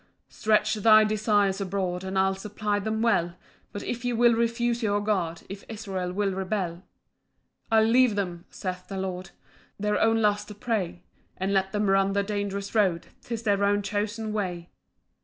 3 "Stretch thy desires abroad, "And I'll supply them well "But if ye will refuse your God, "If Israel will rebel, 4 "I'll leave them," saith the Lord, "To their own lusts a prey, "And let them run the dangerous road, "'Tis their own chosen way.